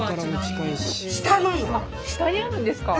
下にあるんですか！